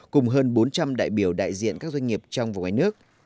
cùng hơn bốn trăm linh đại biểu đại diện các doanh nghiệp trong và ngoài nước